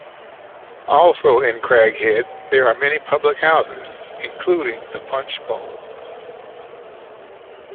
Also in Craghead there are many public houses including the Punch Bowl.